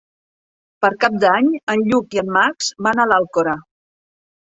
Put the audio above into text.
Per Cap d'Any en Lluc i en Max van a l'Alcora.